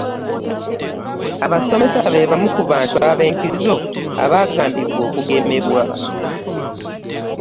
abasomesa beebamu ku bantu ab'enkizo abaagambibwa okugemebwa.